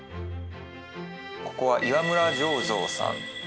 ここは岩村醸造さんですね。